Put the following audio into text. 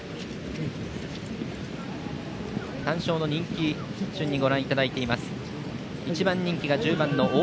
単勝の人気順にご覧いただいています。